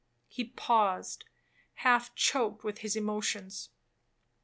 '—he paused, half choaked with his emotions.